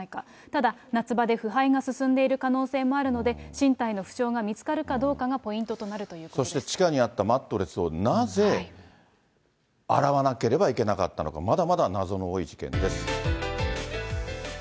ただ、夏場で腐敗が進んでいる可能性もあるので、身体の負傷が見つかるかどうかがポイントとなるそして地下にあったマットレスをなぜ洗わなければいけなかったのか、まだまだ謎の多い事件です。